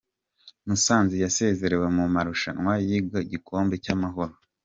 musanzi yasezerewe mu marushanwa y’igikombe cy’amahoro